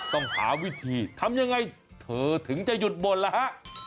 ต้องหาวิธีทำยังไงเธอถึงจะหยุดบ่นแล้วฮะ